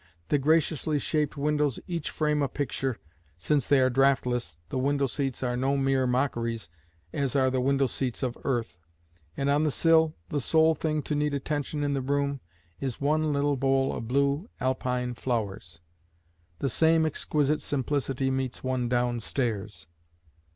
The graciously shaped windows each frame a picture since they are draughtless the window seats are no mere mockeries as are the window seats of earth and on the sill, the sole thing to need attention in the room, is one little bowl of blue Alpine flowers. The same exquisite simplicity meets one downstairs.